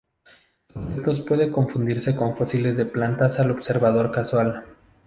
Sus restos puede confundirse con fósiles de plantas al observador casual.